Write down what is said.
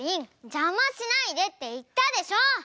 「じゃましないで」っていったでしょ！